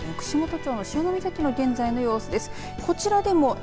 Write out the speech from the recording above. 和歌山県串本町の潮岬の現在の様子です。